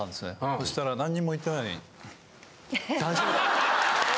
そしたら何も言ってないのに。